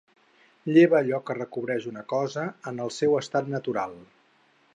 Lleva allò que recobreix una cosa en el seu estat natural.